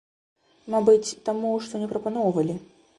Мабыць, таму, што не прапаноўвалі.